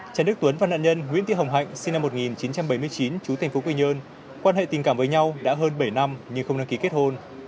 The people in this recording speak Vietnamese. trần đức tuấn và nạn nhân nguyễn thị hồng hạnh sinh năm một nghìn chín trăm bảy mươi chín chú thành phố quy nhơn quan hệ tình cảm với nhau đã hơn bảy năm nhưng không đăng ký kết hôn